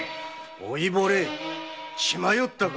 おいぼれ血迷ったか！